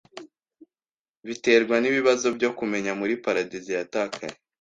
biterwa n'ibibazo byo kumenya muri Paradizo Yatakaye